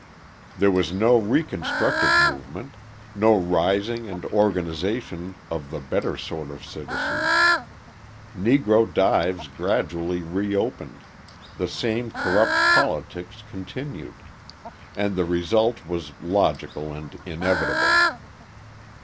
There was no reconstructive movement, no rising and organisation of the better sort of citizens. Negro dives gradually reopened, the same corrupt politics continued: and the result was logical and inevitable.